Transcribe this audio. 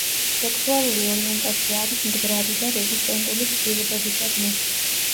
სექსუალური ორიენტაცია არის მდგრადი და რეზისტენტული ცვლილებებისადმი.